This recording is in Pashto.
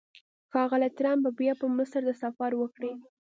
ښاغلی ټرمپ به بیا مصر ته سفر وکړي.